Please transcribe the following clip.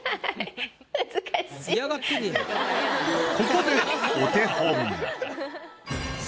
ここでお手本。